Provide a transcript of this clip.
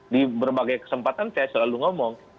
di berbagai kesempatan saya selalu ngomong